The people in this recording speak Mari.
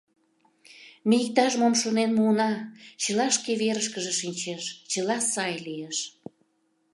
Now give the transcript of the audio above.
— Ме иктаж-мом шонен муына, чыла шке верышкыже шинчеш, чыла сай лиеш!